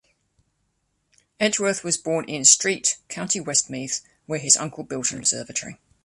Edgeworth was born in Streete, County Westmeath, where his uncle built an observatory.